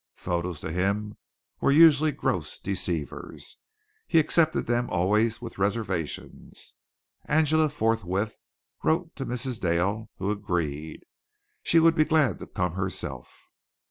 Photos to him were usually gross deceivers. He accepted them always with reservations. Angela forthwith wrote to Mrs. Dale, who agreed. She would be glad to come herself.